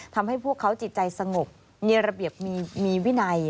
ทำให้พวกเขาจิตใจสงบมีระเบียบมีวินัย